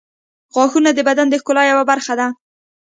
• غاښونه د بدن د ښکلا یوه برخه ده.